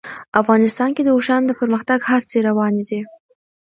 افغانستان کې د اوښانو د پرمختګ هڅې روانې دي.